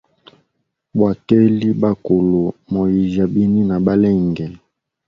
Bwakeli bakulu, moyijya bini nabalenge?